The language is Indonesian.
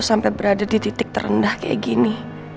sampai berada di titik terendah kayak gini